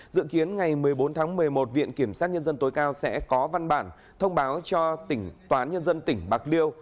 dự kiến ngày một mươi bốn tháng một mươi một viện kiểm sát nhân dân tối cao sẽ có văn bản thông báo cho tỉnh toán nhân dân tỉnh bạc liêu